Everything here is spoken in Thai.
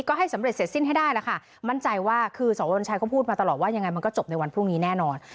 ก็ให้สำเร็จเสร็จสิ้นให้ได้แล้วค่ะมั่นใจว่าคือสวนชัยก็พูดมาตลอดว่ายังไงมันก็จบในวันพรุ่งนี้แน่นอน